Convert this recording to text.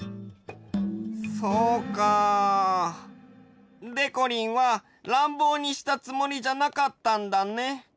そうか。でこりんはらんぼうにしたつもりじゃなかったんだね。